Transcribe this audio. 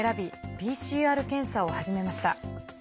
ＰＣＲ検査を始めました。